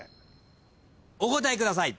お答えください。